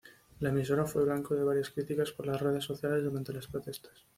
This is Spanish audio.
La emisora fue blanco de varias críticas por las redes sociales durante las protestas.